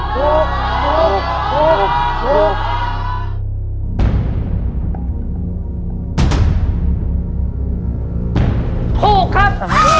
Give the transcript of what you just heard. ถูกครับ